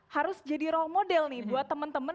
harus jadi role model nih buat temen temen